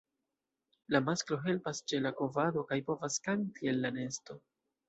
La masklo helpas ĉe kovado kaj povas kanti el la nesto.